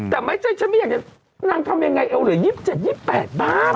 แต่ไม่ใช่ฉันไม่อยากจะนางทำอย่างไรเอวเหลือยิบเจ็ดยิบแปดบ๊าบ